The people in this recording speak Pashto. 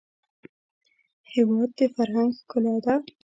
هېواد د فرهنګ ښکلا ده.